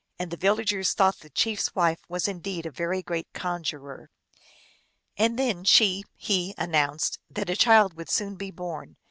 the villagers thought the chief s wife was indeed a very great conjurer. And then she he announced that a child would soon be born.